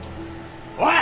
おい！